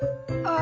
あ。